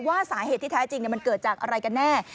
สาเหตุที่แท้จริงมันเกิดจากอะไรกันแน่